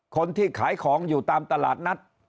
คนที่ขายของอยู่ตามตลาดนัด